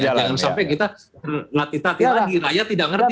jangan sampai kita latih latih lagi